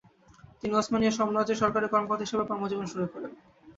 তিনি উসমানীয় সাম্রাজ্যের সরকারি কর্মকর্তা হিসেবে কর্মজীবন শুরু করেন।